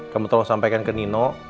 kamu telah sampaikan ke nino